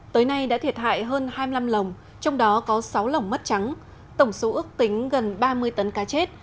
tới nay đã thiệt hại hơn hai mươi năm lồng trong đó có sáu lồng mất trắng tổng số ước tính gần ba mươi tấn cá chết